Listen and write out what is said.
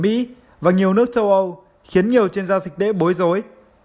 mỹ và nhiều nước châu âu khiến nhiều chuyên gia dịch tễ bối rối